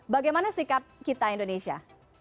bagaimana sikap kita indonesia